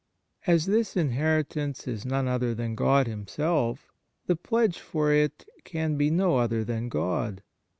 1 As this inheritance is none other than God Himself, the pledge for it can be no other than God.